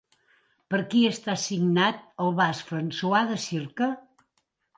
Per qui està signat el Vas François de circa?